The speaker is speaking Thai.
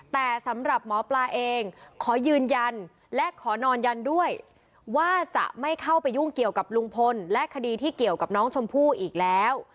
แต่สำหรับหมอปลาเองขอยืนยันและขอนอนยันด้วยว่าจะไม่เข้าไปยุ่งเกี่ยวกับลุงพลและคดีที่เกี่ยวกับน้องชมพู่อีกแล้ว